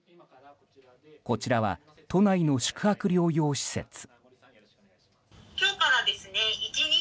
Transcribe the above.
こちらは都内の宿泊療養施設。